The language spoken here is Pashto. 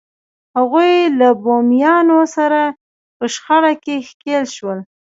هغوی له بومیانو سره په شخړه کې ښکېل شول.